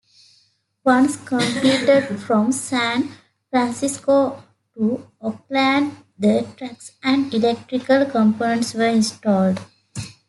Once completed from San Francisco to Oakland, the tracks and electrical components were installed.